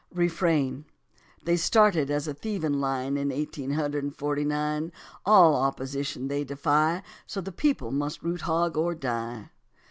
Refrain: They started as a thieving line In eighteen hundred and forty nine; All opposition they defy, So the people must root hog or die.